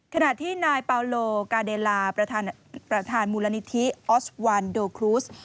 ขณะที่นายเปาโลกาเดลาประธานมูลนิธิออสวันโดครุส